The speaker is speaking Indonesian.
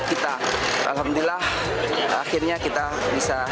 terima kasih kepada telkom indonesia juga